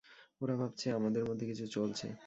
ওরা ভাবছে আমাদের মধ্যে কিছু চলছে।